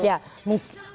ya mungkin karena